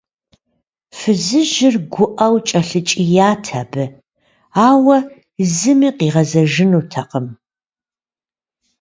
Фызыжьыр гуӀэу кӀэлъыкӀият абы, ауэ зыми къигъэзэжынутэкъым.